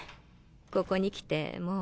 ここに来てもう。